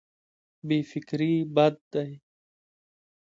بې فکري بد دی.